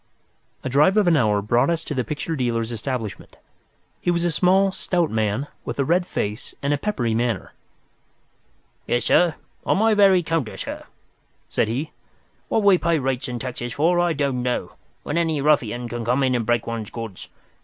A drive of an hour brought us to the picture dealer's establishment. He was a small, stout man with a red face and a peppery manner. "Yes, sir. On my very counter, sir," said he. "What we pay rates and taxes for I don't know, when any ruffian can come in and break one's goods.